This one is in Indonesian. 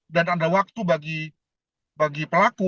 dan ada waktu bagi pelaku